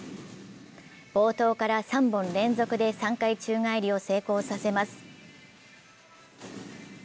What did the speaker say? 冒頭から３本連続で３回宙返りを成功させます。